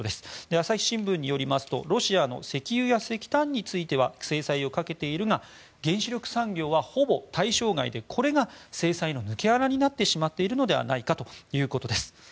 朝日新聞によりますとロシアの石油や石炭については制裁をかけているが原子力産業はほぼ対象外でこれが制裁の抜け穴になってしまっているのではないかということです。